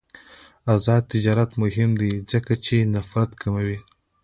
آزاد تجارت مهم دی ځکه چې نفرت کموي.